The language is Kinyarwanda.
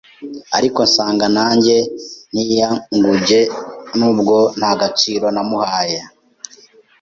ariko nsanga nanjye ntiyanjugunye nubwo nta gaciro namuhaye.